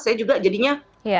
saya juga jadinya